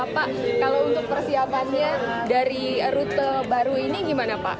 pak kalau untuk persiapannya dari rute baru ini gimana pak